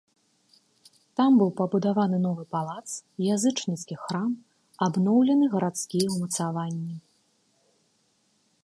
Там быў пабудаваны новы палац, язычніцкі храм, абноўлены гарадскія ўмацаванні.